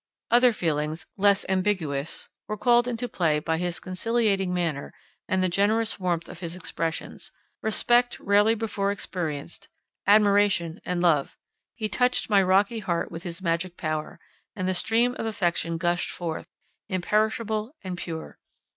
Other feelings, less ambiguous, were called into play by his conciliating manner and the generous warmth of his expressions, respect rarely before experienced, admiration, and love—he had touched my rocky heart with his magic power, and the stream of affection gushed forth, imperishable and pure.